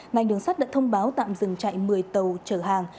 ngành đường sắt đã thông báo tạm dừng chạy một mươi tàu chở hàng